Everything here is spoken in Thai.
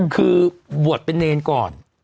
คือบวชเป็นเนรก่อน